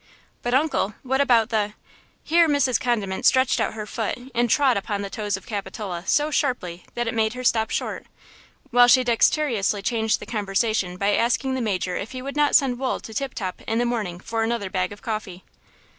"But, uncle, what about the–" Here Mrs. Condiment stretched out her foot and trod upon the toes of Capitola so sharply that it made her stop short, while she dexterously changed the conversation by asking the major if he would not send Wool to Tip Top in the morning for another bag of coffee.